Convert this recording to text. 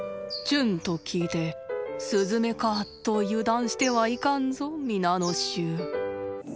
「ちゅん」と聞いてスズメかと油断してはいかんぞ皆の衆。